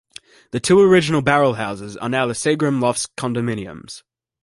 The two original barrel houses are now the Seagram Lofts condominiums.